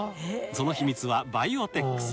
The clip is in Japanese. その秘密はバイオテックス。